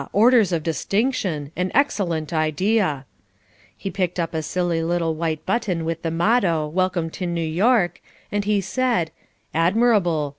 Orders of Distinction! An excellent idea." He picked up a silly little white button with the motto "Welcome to New York," and he said "Admirable!